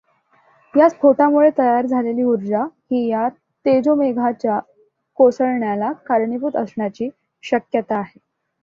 या स्फोटामुळे तयार झालेली ऊर्जा ही या तेजोमेघाच्या कोसळण्याला कारणीभूत असण्याची शक्यता आहे.